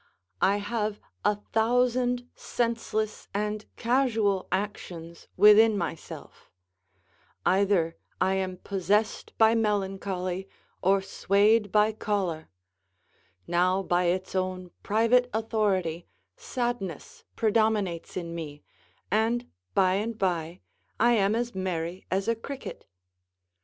I have a thousand senseless and casual actions within myself; either I am possessed by melancholy or swayed by choler; now by its own private authority sadness predominates in me, and by and by, I am as merry as a cricket.